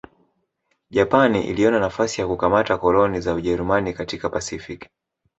Japani iliona nafasi ya kukamata koloni za Ujerumani katika Pasifiki